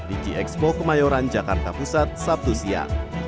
di gxpo kemayoran jakarta pusat sabtu siang